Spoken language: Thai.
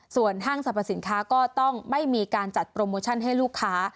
ส่วนห้างสรรพสินค้าก็ต้องไม่มีการจัดโปรโมชั่นให้ลูกค้า